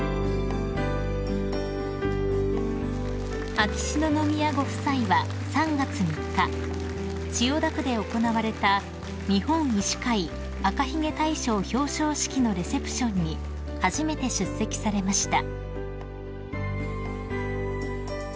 ［秋篠宮ご夫妻は３月３日千代田区で行われた日本医師会赤ひげ大賞表彰式のレセプションに初めて出席されました］